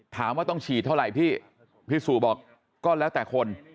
ถามว่าต้องฉีดเท่าไหร่พี่พี่สู่บอกก็แล้วแต่คน